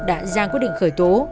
đã ra quyết định khởi tố